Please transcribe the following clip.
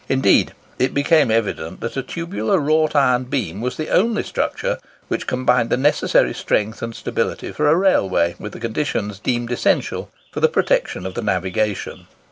Indeed, it became evident that a tubular wrought iron beam was the only structure which combined the necessary strength and stability for a railway, with the conditions deemed essential for the protection of the navigation.